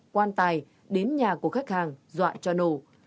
quan tài đến nhà của khách hàng dọa cho nổ